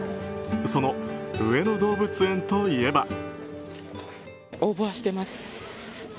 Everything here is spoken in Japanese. その上野動物園といえば。